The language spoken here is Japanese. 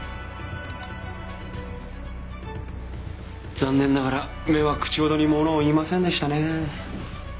残念ながら目は口ほどにものを言いませんでしたね。